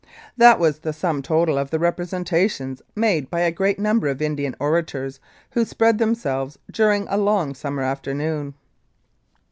That was the sum total of the representa tions made by a great number of Indian orators who "spread themselves" during a long summer afternoon.